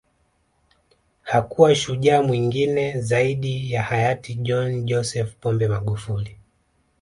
Hakuwa shujaa mwingine zaidi ya hayati John Joseph Pombe Magufuli